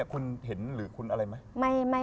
คุณเห็นหรือคุณอะไรไหม